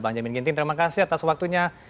bang jamin ginting terima kasih atas waktunya